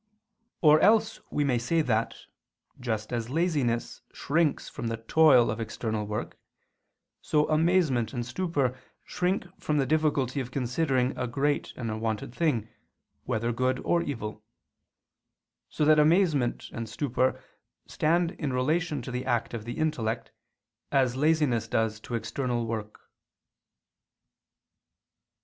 Or else we may say that, just as laziness shrinks from the toil of external work, so amazement and stupor shrink from the difficulty of considering a great and unwonted thing, whether good or evil: so that amazement and stupor stand in relation to the act of the intellect, as laziness does to external work.